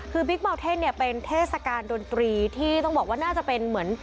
คือบิ๊กเบาเท่นเนี่ยเป็นเทศกาลดนตรีที่ต้องบอกว่าน่าจะเป็นเหมือน